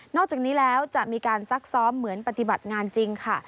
อกจากนี้แล้วจะมีการซักซ้อมเหมือนปฏิบัติงานจริงค่ะ